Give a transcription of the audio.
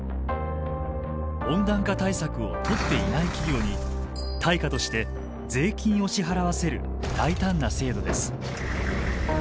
温暖化対策をとっていない企業に対価として税金を支払わせる大胆な制度です。